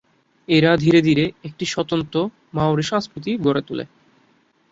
এরা ধীরে ধীরে একটি স্বতন্ত্র মাওরি সংস্কৃতি গড়ে তোলে।